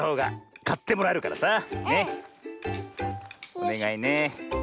おねがいね。